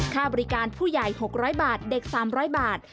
ค่าบริการผู้ใหญ่๖๐๐บาทเด็ก๓๐๐บาท